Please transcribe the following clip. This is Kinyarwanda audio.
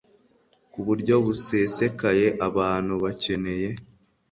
ku buryo busesekaye Abantu bakeneye